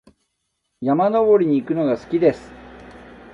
山登りに行くのが好きです。